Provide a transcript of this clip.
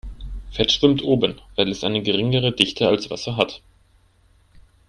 Fett schwimmt oben, weil es eine geringere Dichte als Wasser hat.